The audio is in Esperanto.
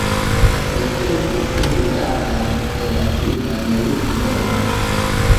Li studis hungaran kaj latinan lingvojn.